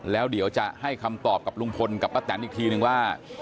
แล้วเดี๋ยวจะให้คำตอบกับลุงพลกับป้าแตนอีกทีนึงว่า